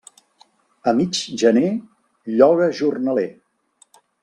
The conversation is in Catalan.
A mig gener lloga jornaler.